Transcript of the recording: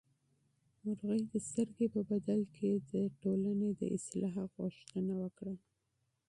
مرغۍ د سترګې په بدل کې د ټولنې د اصلاح غوښتنه وکړه.